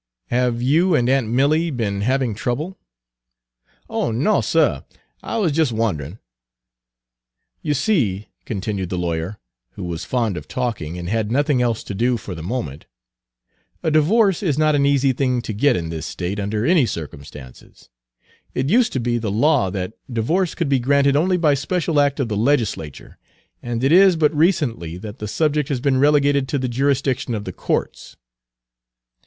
Have you and aunt Milly been having trouble?" "Oh no, suh; I was jes' a wond'rin'." "You see," continued the lawyer, who was fond of talking, and had nothing else to do for the moment, "a divorce is not an easy thing to get in this State under any circumstances. It used to be the law that divorce could be granted only by special act of the legislature; and it is but recently that the subject has been relegated to the jurisdiction of the courts."